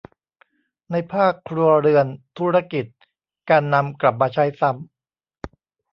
ในภาคครัวเรือน ธุรกิจ การนำกลับมาใช้ซ้ำ